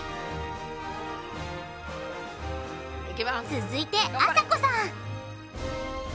続いてあさこさん